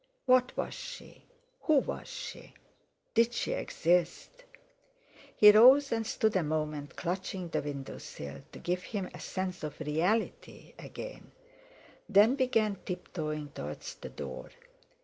What was she, who was she, did she exist? He rose and stood a moment clutching the window sill, to give him a sense of reality again; then began tiptoeing towards the door.